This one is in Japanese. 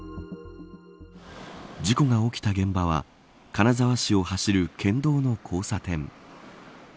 事故が起きた現場は金沢市を走る県道の交差点。